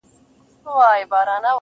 گراني په تا باندي چا كوډي كړي